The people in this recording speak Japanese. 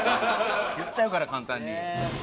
言っちゃうから簡単に。